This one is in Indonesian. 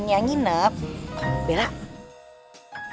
permintaan suara terbanyak pengennya nginep